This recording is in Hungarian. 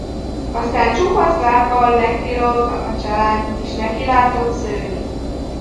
Aztán csupasz lábbal megtilolta a csalánt, és nekilátott szőni.